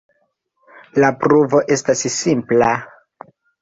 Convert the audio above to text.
La pruvo estas simpla.